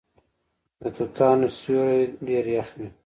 د توتانو سیوری ډیر یخ وي.